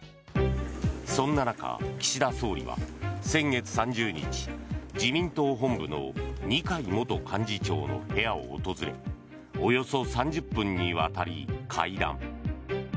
そんな中岸田総理は先月３０日自民党本部の二階元幹事長の部屋を訪れおよそ３０分にわたり会談。